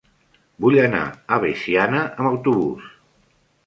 Vull anar a Veciana amb autobús.